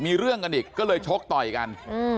มีเรื่องกันอีกก็เลยชกต่อยกัน